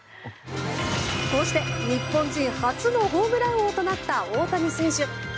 こうして、日本人初のホームラン王となった大谷選手。